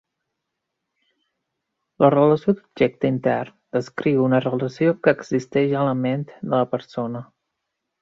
La relació d'objecte intern descriu una relació que existeix a la ment de la persona.